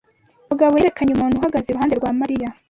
Mugabo yerekanye umuntu uhagaze iruhande rwa Mariya.